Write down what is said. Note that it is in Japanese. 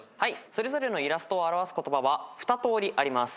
それぞれのイラストを表す言葉は２通りあります。